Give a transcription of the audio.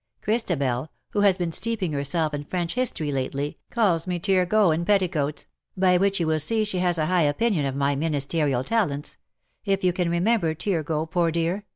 Christabel, who has been steeping herself in French history lately, calls me Turgot in petticoats — by which you will see she has a high opinion of my ministerial talents — if you can remember Turgot, poor dear!